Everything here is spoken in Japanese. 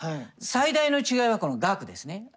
最大の違いはこの額ですね。